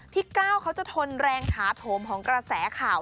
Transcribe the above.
ก้าวเขาจะทนแรงถาโถมของกระแสข่าว